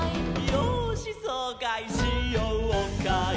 「よーしそうかいしようかい」